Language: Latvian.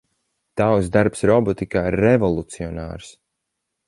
Tavs darbs robotikā ir revolucionārs.